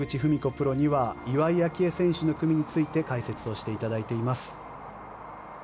プロには岩井明愛選手の組について解説をしていただいています。